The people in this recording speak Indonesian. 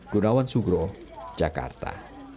gunawan sugro jakarta